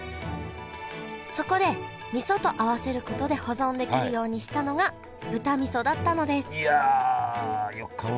そこで味噌と合わせることで保存できるようにしたのが豚味噌だったのですいやよく考えましたね。